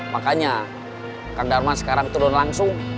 makanya kang darmas sekarang turun langsung